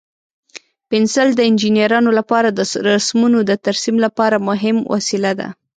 پنسل د انجینرانو لپاره د رسمونو د ترسیم لپاره مهم وسیله ده.